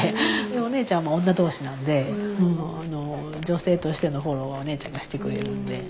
お姉ちゃんも女同士なんで女性としてのフォローはお姉ちゃんがしてくれるんで。